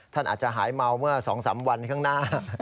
ท่านอาจจะหายเมาเมื่อ๒๓วันข้างหน้า